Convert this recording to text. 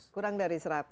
kurang dari seratus